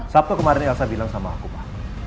sabtu kemarin elsa bilang sama aku pa